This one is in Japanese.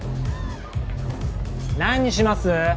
何にします？